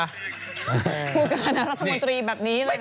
การคณะรัฐมนตรีแบบนี้เลยนะ